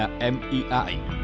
di jumat a'in